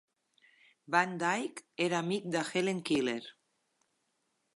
Van Dyke era amic de Helen Keller.